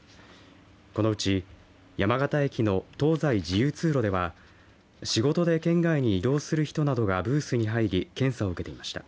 このうち山形駅の東西自由通路では仕事で県外に移動する人などがブースに入り検査を受けていました。